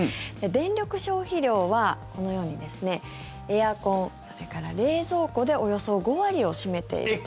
電力消費量はこのようにエアコン、それから冷蔵庫でおよそ５割を占めている。